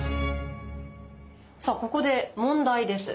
さあここで問題です。